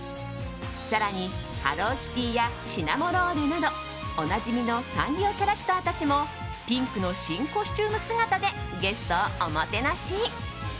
更に、ハローキティやシナモロールなどおなじみのサンリオキャラクターたちもピンクの新コスチューム姿でゲストをおもてなし。